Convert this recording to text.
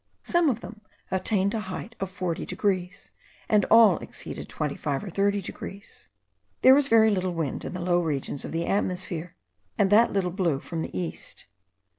Some of them attained a height of 40 degrees, and all exceeded 25 or 30 degrees. There was very little wind in the low regions of the atmosphere, and that little blew from the east.